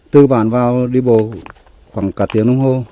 từ bàn vào đi bồ khoảng cả tiếng đồng hồ